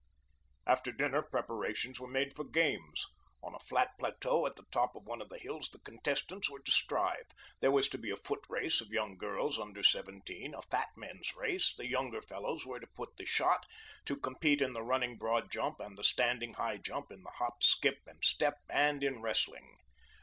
After dinner, preparations were made for games. On a flat plateau at the top of one of the hills the contestants were to strive. There was to be a footrace of young girls under seventeen, a fat men's race, the younger fellows were to put the shot, to compete in the running broad jump, and the standing high jump, in the hop, skip, and step and in wrestling.